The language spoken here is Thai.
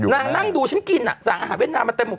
นั่งดูฉันกินสั่งอาหารเวียดนามมาเต็มหมด